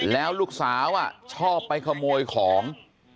แล้วลูกสาวชอบไปขโมยของ